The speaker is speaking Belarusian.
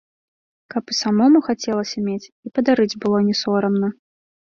Каб і самому хацелася мець, і падарыць было не сорамна!